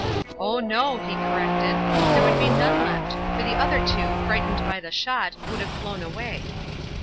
"Oh, no," he corrected; "there would be none left; for the other two, frightened by the shot, would have flown away."